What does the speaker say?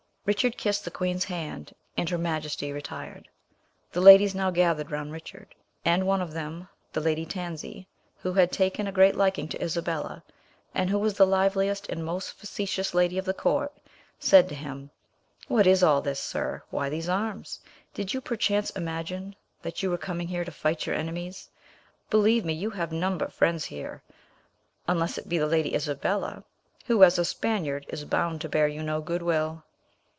Richard kissed the queen's hand, and her majesty retired. The ladies now gathered round Richard, and one of them, the lady Tansi, who had taken a great liking to Isabella, and who was the liveliest and most facetious lady of the court, said to him, "What is all this, sir? Why these arms? Did you, perchance, imagine that you were coming here to fight your enemies? Believe me, you have none but friends here, unless it be the lady Isabella, who, as a Spaniard, is bound to bear you no good will."